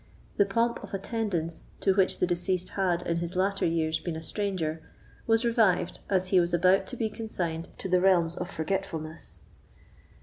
The pomp of attendance, to which the deceased had, in his latter years, been a stranger, was revived as he was about to be consigned to the realms of forgetfulness.